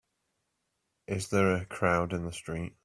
Is there a crowd in the street?